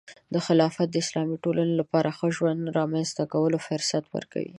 خلافت د اسلامي ټولنې لپاره د ښه ژوند رامنځته کولو فرصت ورکوي.